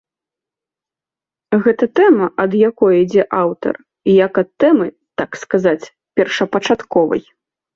Гэта тэма, ад якое ідзе аўтар, як ад тэмы, так сказаць, першапачатковай.